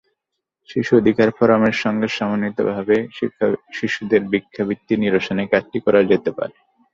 শিশু অধিকার ফোরামের সঙ্গে সমন্বিতভাবে শিশুদের ভিক্ষাবৃত্তি নিরসনের কাজটি করা যেতে পারে।